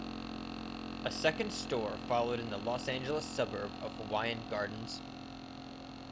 A second store followed in the Los Angeles suburb of Hawaiian Gardens.